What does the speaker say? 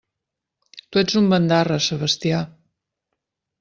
Tu ets un bandarra, Sebastià!